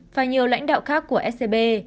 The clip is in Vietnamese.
và nhiều lãnh đạo khác của scb